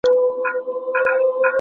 جګه لوړه لکه سرو خرامانه ,